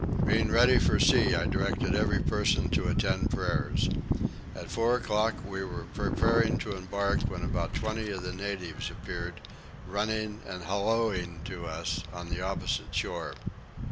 Being ready for sea I directed every person to attend prayers. At four o'clock we were preparing to embark when about twenty of the natives appeared, running and hallooing to us, on the opposite shore.